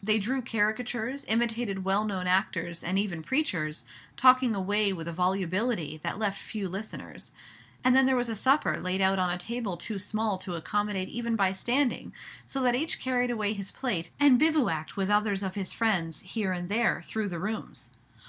They drew caricatures, imitated well known actors, and even preachers, talking away with a volubility that left few listeners; and then there was a supper laid out on a table too small to accommodate even by standing, so that each carried away his plate, and bivouacked with others of his friends, here and there, through the rooms.